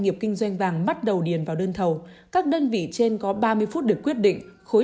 nghiệp kinh doanh vàng bắt đầu điền vào đơn thầu các đơn vị trên có ba mươi phút được quyết định khối